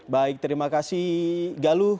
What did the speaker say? baik terima kasih galuh